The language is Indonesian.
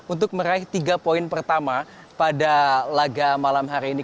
untuk meraih tiga poin pertama pada laga malam hari ini